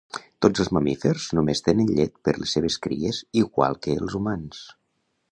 Tots els mamífers només tenen llet per les seves cries igual que els humans